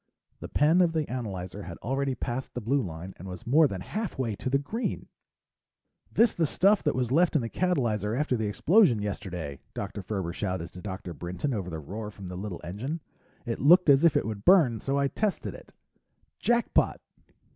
The pen of the analyzer had already passed the blue line and was more than halfway to the green! "This the stuff that was left in the catalyzer after the explosion yesterday!" Dr. Ferber shouted to Dr. Brinton over the roar from the little engine. "It looked as if it would burn, so I tested it. Jackpot!"